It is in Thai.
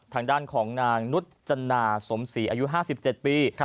ทางด้านของนางนุจนาสมศรีอายุ๕๗ปี